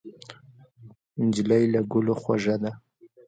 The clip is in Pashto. نجلۍ له ګلو خوږه ده.